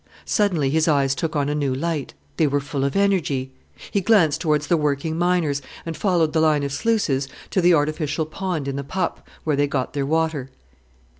Suddenly his eyes took on a new light: they were full of energy. He glanced towards the working miners, and followed the line of sluices to the artificial pond in the "pup" whence they got their water.